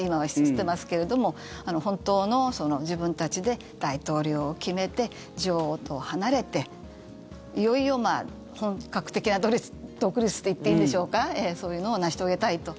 してますけれども本当の自分たちで大統領を決めて女王と離れていよいよ本格的な独立といっていいんでしょうかそういうのを成し遂げたいと。